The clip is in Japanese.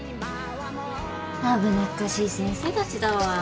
危なっかしい先生たちだわ。